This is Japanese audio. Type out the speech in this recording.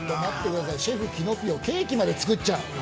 シェフキノピオケーキまで作っちゃう？